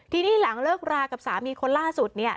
ทีนี้หลังเลิกรากับสามีคนล่าสุดเนี่ย